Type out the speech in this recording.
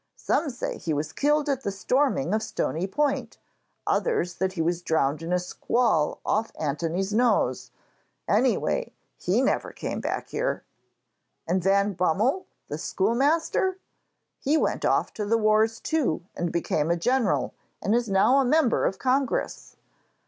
Some say he was killed at the storming of Stony Point; others, that he was drowned in a squall off Antony's Nose. Anyway, he never came back here.' 'And van Bummel, the schoolmaster?' 'He went off to the wars too, and became a general, and is now a member of Congress.'